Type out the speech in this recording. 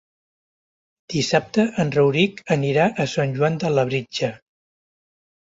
Dissabte en Rauric anirà a Sant Joan de Labritja.